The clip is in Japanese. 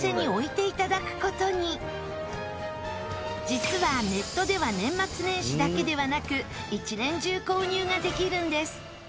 実はネットでは年末年始だけではなく１年中購入ができるんです。